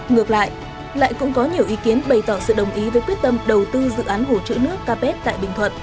ngược lại lại cũng có nhiều ý kiến bày tỏ sự đồng ý với quyết tâm đầu tư dự án hồ chứa nước capet tại bình thuận